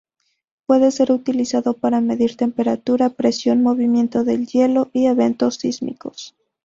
Puede ser utilizado para medir temperatura, presión, movimiento del hielo, y eventos sísmicos.